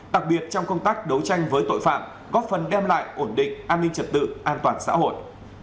đặc biệt trong công tác đấu tranh với tội phạm góp phần đem lại ổn định an ninh trật tự an toàn xã hội